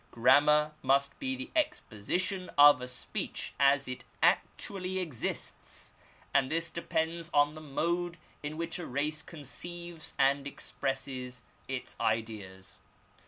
Grammar must be the ex position of a speech as it actually exists, and this depends on the mode in which a race conceives and expresses its ideas.